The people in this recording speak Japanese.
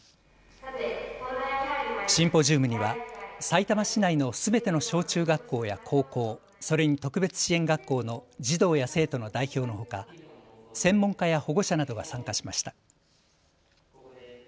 シンポジウムにはさいたま市内のすべての小中学校や高校、それに特別支援学校の児童や生徒の代表のほか専門家や保護者などが参加しました。